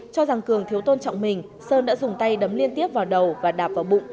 cho rằng cường thiếu tôn trọng mình sơn đã dùng tay đấm liên tiếp vào đầu và đạp vào bụng